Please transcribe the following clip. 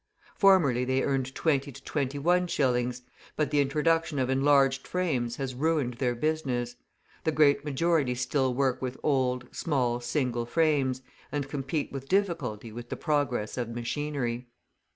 Formerly they earned twenty to twenty one shillings, but the introduction of enlarged frames has ruined their business; the great majority still work with old, small, single frames, and compete with difficulty with the progress of machinery.